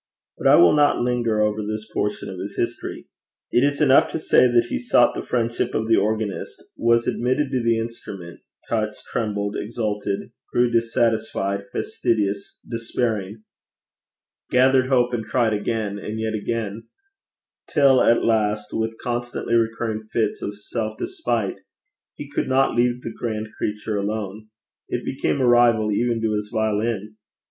But I will not linger over this portion of his history. It is enough to say that he sought the friendship of the organist, was admitted to the instrument; touched, trembled, exulted; grew dissatisfied, fastidious, despairing; gathered hope and tried again, and yet again; till at last, with constantly recurring fits of self despite, he could not leave the grand creature alone. It became a rival even to his violin.